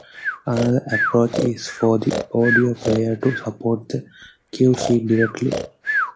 Another approach is for the audio player to support the cue sheet directly.